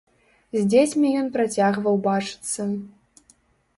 З дзецьмі ён працягваў бачыцца.